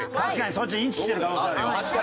そっちインチキしてる可能性あるよ。